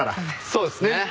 そうですね。